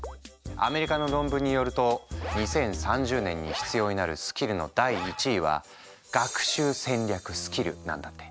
アメリカの論文によると２０３０年に必要になるスキルの第１位は学習戦略スキルなんだって。